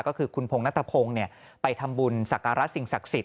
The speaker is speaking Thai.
ก็คือคุณพงธพงศ์ไปทำบุญศักราชสิงห์ศักดิ์สิทธิ์